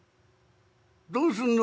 「どうすんの？